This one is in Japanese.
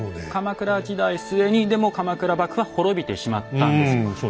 鎌倉時代末にでも鎌倉幕府は滅びてしまったんですよ。